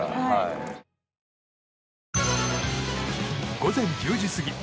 午前１０時過ぎ